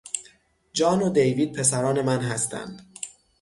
جان و دیوید پسران من هستند.